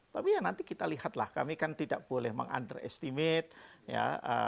tapi ya nanti kita lihatlah kami kan tidak boleh meng underestimate ya